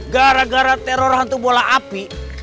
gara gara teror hantu bola api